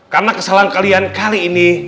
karena kesalahan kalian kali ini